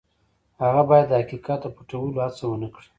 هغه باید د حقیقت د پټولو هڅه ونه کړي.